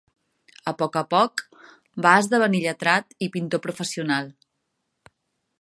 A poc a poc va esdevenir lletrat i pintor professional.